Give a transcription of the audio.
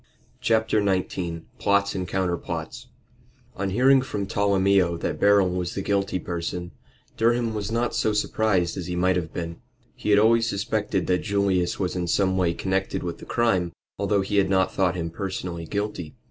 CHAPTER XIX PLOTS AND COUNTERPLOTS On hearing from Tolomeo that Beryl was the guilty person, Durham was not so surprised as he might have been. He had always suspected that Julius was in some way connected with the crime, although he had not thought him personally guilty.